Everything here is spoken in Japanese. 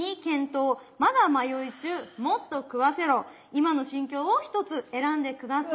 今の心境を１つ選んで下さい。